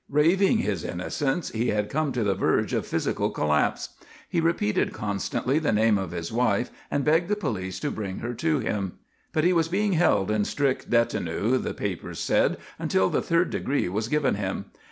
Raving his innocence, he had come to the verge of physical collapse. He repeated constantly the name of his wife and begged the police to bring her to him. But he was being held in strict "detinue," the papers said, until the third degree was given him.